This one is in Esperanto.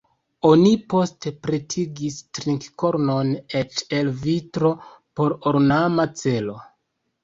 Oni poste pretigis trink-kornon eĉ el vitro por ornama celo.